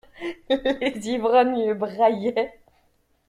Les ivrognes braillaient.